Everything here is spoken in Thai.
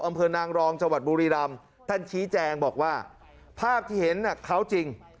อำเภอนางรองจังหวัดบุรีรำท่านชี้แจงบอกว่าภาพที่เห็นเขาจริง